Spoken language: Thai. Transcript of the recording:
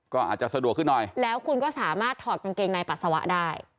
ก็อาจจะสะดวกขึ้นหน่อยแล้วคุณก็สามารถถอดกางเกงในปัสสาวะได้